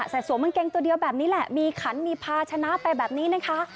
สวมกางเกงตัวเดียวแบบนี้แหละมีขันมีพาชนะไปแบบนี้นะคะ